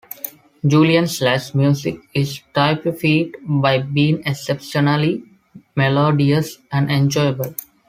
Julian Slade's music is typified by being exceptionally melodious and enjoyable.